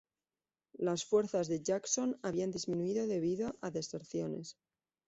Las fuerzas de Jackson habían disminuido debido a deserciones.